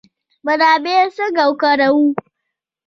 منابع څنګه وکاروو؟